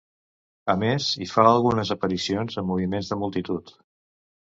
A més, hi fa algunes aparicions en moviments de multitud.